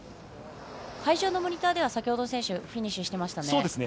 会場のモニターでは先ほどの選手はフィニッシュしました。